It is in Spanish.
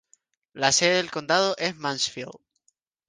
La sede del condado es Mansfield.